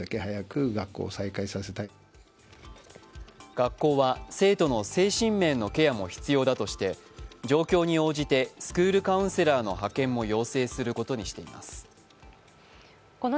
学校は生徒の精神面のケアも必要だとして状況に応じてスクールカウンセラーの派遣も要請することにしています。